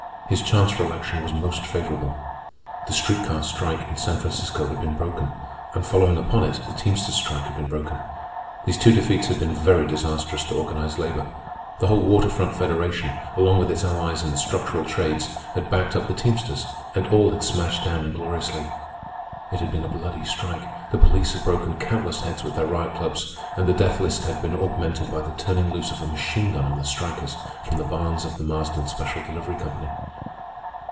His chance for election was most favorable. The street car strike in San Francisco had been broken. And following upon it the teamsters' strike had been broken. These two defeats had been very disastrous to organized labor. The whole Water Front Federation, along with its allies in the structural trades, had backed up the teamsters, and all had been smashed down ingloriously. It had been a bloody strike. The police had broken countless heads with their riot clubs; and the death list had been augmented by the turning loose of a machine gun on the strikers from the barns of the Marsden Special Delivery Company.